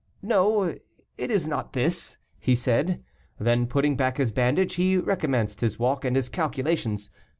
"No, it is not this," he said. Then, putting back his bandage, he recommenced his walk and his calculations.